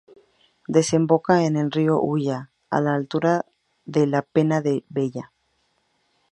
Desemboca en el río Ulla a la altura de la Pena da Vella.